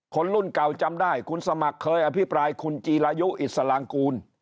คนรุ่นเก่าจำได้คุณสมัครเคยอภิปรายคุณจีรายุอิสลางกูล